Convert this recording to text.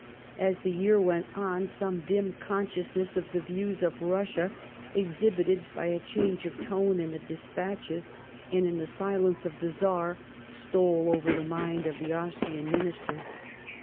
As the year went on some dim consciousness of the views of l\ussia, exhibited by a change of tone in the despatches, and in the silence of the Czar, stole over the mind of tlie Austrian IMinister.